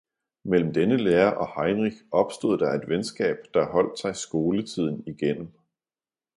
Mellem denne lærer og Heinrich opstod der et venskab, der holdt sig skoletiden igennem.